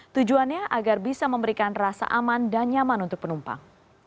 tujuannya agar bisa memberikan rasa aman dan nyaman untuk penumpang